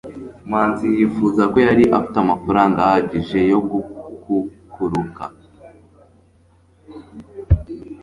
Manzi yifuzaga ko yari afite amafaranga ahagije yo gukukuruka.